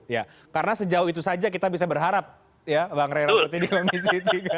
ya karena sejauh itu saja kita bisa berharap ya bang ray rangkuti di komisi tiga